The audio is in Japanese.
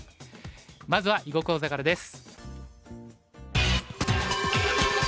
まずは囲碁講座からです。